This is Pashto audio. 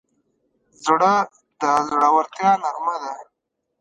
زړه د زړورتیا نغمه ده.